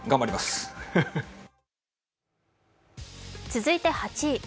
続いて８位。